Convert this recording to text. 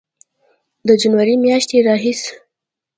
د جنورۍ میاشتې راهیسې